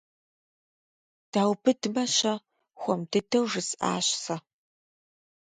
Даубыдмэ-щэ? - хуэм дыдэу жысӀащ сэ.